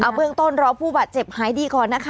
เบื้องต้นรอผู้บาดเจ็บหายดีก่อนนะคะ